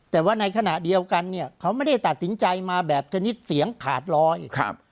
แต่ว่าในขณะเดียวกันเนี่ยเขาไม่ได้ตัดสินใจมาแบบชนิดเสียงขาดลอยครับ